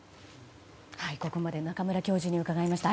ここまで中村教授に伺いました。